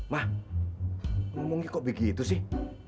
mah ngomongnya kok begitu sih